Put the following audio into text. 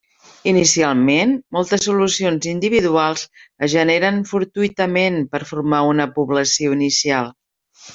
Inicialment, moltes solucions individuals es generen fortuïtament per formar una població inicial.